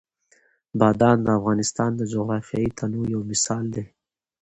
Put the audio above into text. بادام د افغانستان د جغرافیوي تنوع یو مثال دی.